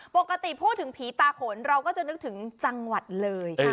ปกติพูดถึงผีตาขนเราก็จะนึกถึงจังหวัดเลย